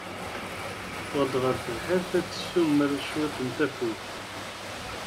Teffeɣ-d ɣer tebḥirt ad tessumer cwiṭ n tafukt.